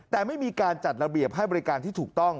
แต่ไม่มีการจัดระเบียบให้บริการที่ถูกต้อง